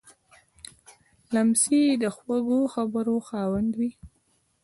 لمسی د خوږو خبرو خاوند وي.